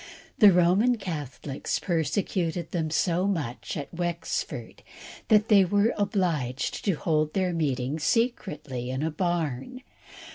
The Roman Catholics persecuted them so much at Wexford that they were obliged to hold their meeting secretly in a barn.